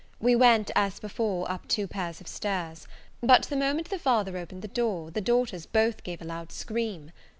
We went, as before, up two pairs of stairs; but the moment the father opened the door, the daughters both gave a loud scream.